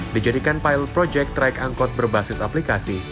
dijadikan pile project trayek angkut berbasis aplikasi